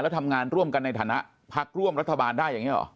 แล้วทำงานร่วมกันในฐานะพักร่วมรัฐบาลได้อย่างนี้หรอ